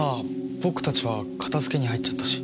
僕たちは片付けに入っちゃったし。